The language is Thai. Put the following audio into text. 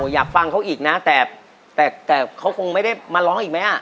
อยากฟังเขาอีกนะแต่เขาคงไม่ได้มาร้องอีกไหม